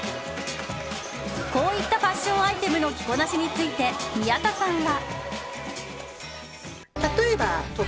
こういったファッションアイテムの着こなしについて、宮田さんは。